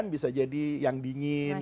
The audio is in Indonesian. bisa jadi yang dingin